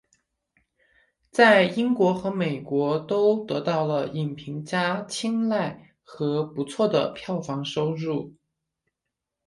在英国和美国都得到了影评家青睐和不错的票房收入。